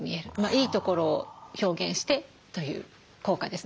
いいところを表現してという効果ですね。